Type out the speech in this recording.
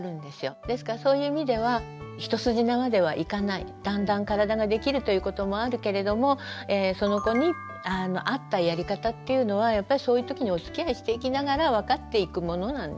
ですからそういう意味では一筋縄ではいかないだんだん体ができるということもあるけれどもその子にあったやり方っていうのはやっぱりそういうときにおつきあいしていきながら分かっていくものなんですよね。